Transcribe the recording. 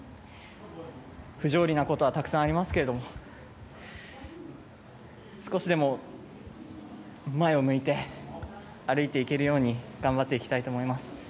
不条理なことはたくさんありますけども少しでも前を向いて歩いて行けるように頑張っていきたいと思います。